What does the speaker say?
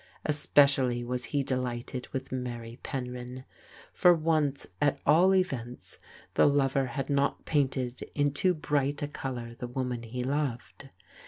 Especially was he delighted with Mary Penryn. For once, at all events, the lover had not painted in too bright a colour the woman he loved.